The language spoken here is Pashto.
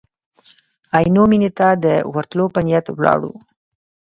عینو مېنې ته د ورتلو په نیت ولاړو.